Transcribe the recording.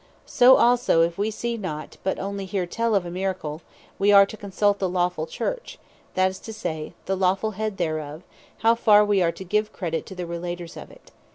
So also if wee see not, but onely hear tell of a Miracle, we are to consult the Lawful Church; that is to say, the lawful Head thereof, how far we are to give credit to the relators of it.